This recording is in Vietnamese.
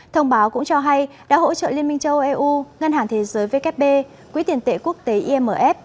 thông báo cũng cho hay đã hỗ trợ liên minh châu âu eu ngân hàng thế giới vkp quỹ tiền tệ quốc tế imf